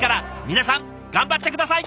皆さん頑張って下さい！